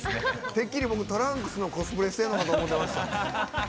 てっきり、僕トランクスのコスプレしてるのかと思いました。